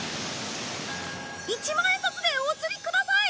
１万円札でお釣りください！